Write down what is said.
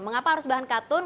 mengapa harus bahan katun